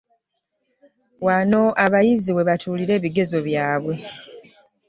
Wano abayizi we batuulira ebigezo byabwe.